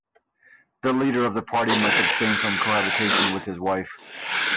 The leader of the party must abstain from cohabitation with his wife.